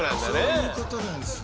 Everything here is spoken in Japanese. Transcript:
そういうことなんすね。